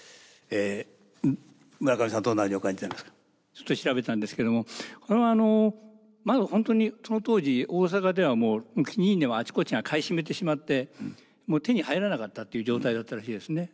ちょっと調べたんですけどもこれはあのまだ本当にその当時大坂ではキニーネはあちこちが買い占めてしまってもう手に入らなかったっていう状態だったらしいですね。